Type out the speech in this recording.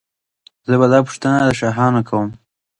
زه به دا پوښتنه له شاهانو کوم.